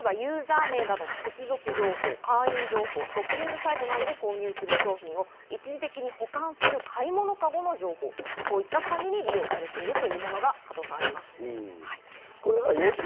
例えばユーザー名などの接続情報、簡易情報、ショッピングサイトなどで購入する商品を一時的に保管する買い物カゴの情報、こういった管理に利用されているというのがあります。